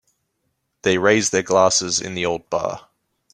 They raised their glasses in the old bar.